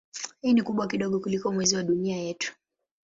Hii ni kubwa kidogo kuliko Mwezi wa Dunia yetu.